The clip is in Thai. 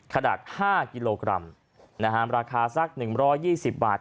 ขนาด๕กิโลกรัมราคาสัก๑๒๐บาท